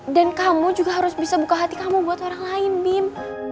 dan kamu juga harus bisa buka hati kamu buat orang lain bim